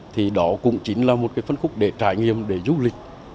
thì đó cũng chính là một cái phân khúc để trải nghiệm để du lịch